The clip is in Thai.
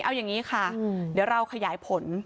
เอาอย่างนี้ค่ะเดี๋ยวเราขยายผล